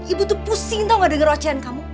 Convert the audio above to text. ibu tuh pusing tau gak denger ocean kamu